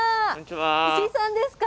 石井さんですか。